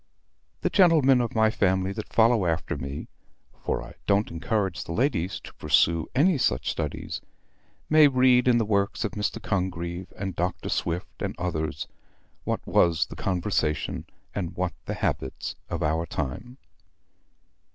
The gentlemen of my family that follow after me (for I don't encourage the ladies to pursue any such studies), may read in the works of Mr. Congreve, and Dr. Swift and others, what was the conversation and what the habits of our time.